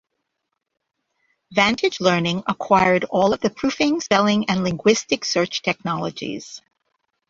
Vantage Learning acquired all of the proofing, spelling, and linguistic search technologies.